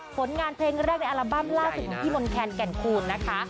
ผลงานเพลงแรกในอัลบั้มล่าสุดของพี่มนต์แคนแก่นคูณนะคะ